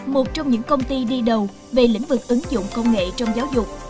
một trong những công ty đi đầu về lĩnh vực ứng dụng công nghệ trong giáo dục